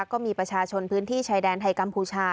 ก็มีประชาชนพื้นที่ชายแดนไทยกัมพูชา